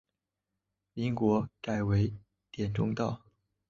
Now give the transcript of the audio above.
民国改为滇中道。